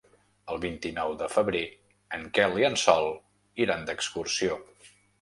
El vint-i-nou de febrer en Quel i en Sol iran d'excursió.